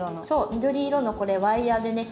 緑色のこれワイヤーでね。